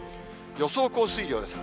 予想降水量です。